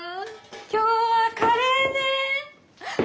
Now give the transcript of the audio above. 今日はカレーね？